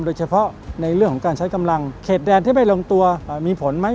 โดยเฉพาะในเรื่องของการใช้กำลังเขตแดนที่ไม่ลงตัวมีผลไหม